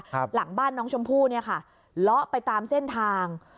หลังบ้านน้องชมพู่เนี่ยค่ะเลาะไปตามเส้นทาง